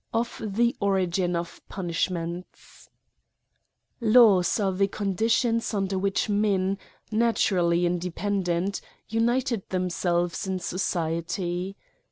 Of the Origin of Punishments, LAWS are the conditions under which men, paturally independent, united themselves in so ciety.